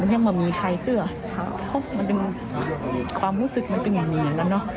มันยังไม่มีใครเต้อครับมันเป็นความรู้สึกมันเป็นแบบนี้แล้วเนอะ